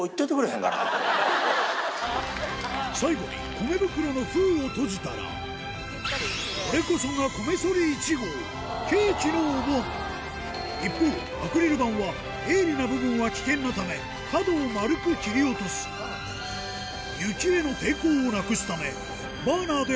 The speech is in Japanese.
最後に米袋の封を閉じたらこれこそが一方アクリル板は鋭利な部分は危険なため角を丸く切り落とすなるほど！